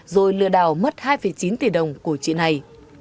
rồi lừa đảo mất hai chín tỷ đồng của chị này